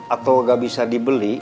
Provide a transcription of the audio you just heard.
atau gak bisa dibeli